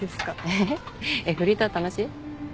えっフリーター楽しい？